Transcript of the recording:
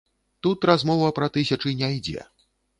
Тут размова пра тысячы не ідзе.